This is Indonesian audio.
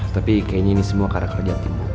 tapi kayaknya ini semua karena kerja tim